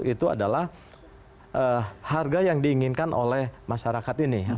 itu adalah harga yang diinginkan oleh masyarakat ini